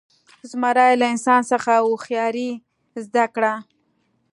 زمري له انسان څخه هوښیاري زده کړه.